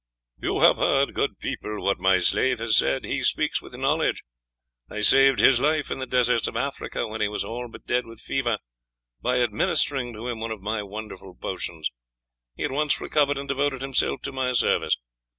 "You have heard, good people, what my slave has said. He speaks with knowledge. I saved his life in the deserts of Africa when he was all but dead with fever, by administering to him one of my wonderful potions; he at once recovered and devoted himself to my service.